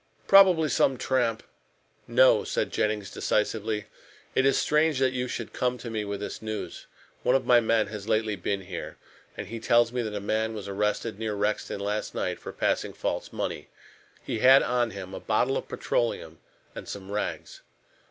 Probably some tramp " "No," said Jennings decisively, "it is strange you should come to me with this news. One of my men has lately been here, and he tells me that a man was arrested near Rexton last night for passing false money. He had on him a bottle of petroleum and some rags."